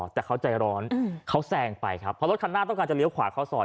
แต่เขาใจร้อนเขาแซงไปครับเพราะรถคันหน้าต้องการจะเลี้ยวขวาเข้าซอย